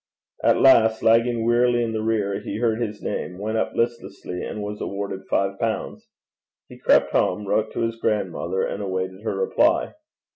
At last, lagging wearily in the rear, he heard his name, went up listlessly, and was awarded five pounds. He crept home, wrote to his grandmother, and awaited her reply.